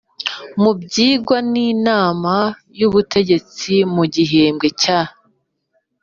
Mu byigwa n inama y ubuyobozi mu gihembwe cya